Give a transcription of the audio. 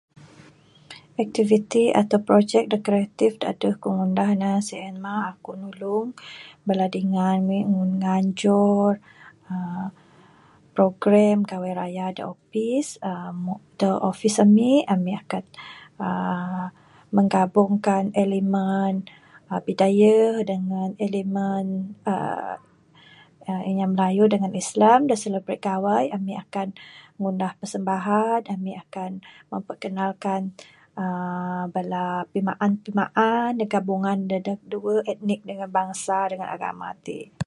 Aktiviti atau projek da kreatif da aduh akuk ngundah ne sien mah akuk nulung bala dingan mik nganjur uhh program gawai raya da opis uhh. Da opis amik, amik akan uhh menggabung elemen Bidayuh uhh dengan elemen uhh inya Melayu dengan Islam dak celebrate Gawai. Amik akan ngundah persembahan. Amik akan memperkenalkan uhh bala pimaan-pimaan dak gabungan dadeg duwuh etnik, dengan bangsa dengan agama tik.